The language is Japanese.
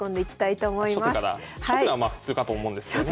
初手は普通かと思うんですけどね。